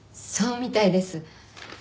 そうみたいです。